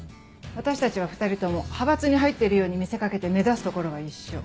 私たちは２人とも派閥に入ってるように見せ掛けて目指すところは一緒。